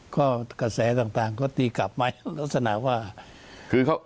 ก็กระแสต่างก็ตีกลับไปแล้ว